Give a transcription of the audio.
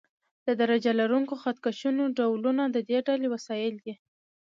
د درجه لرونکو خط کشونو ډولونه د دې ډلې وسایل دي.